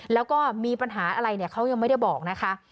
แล้วก็มีปัญหาอะไรเนี่ยเขายังไม่ได้บอกนะคะ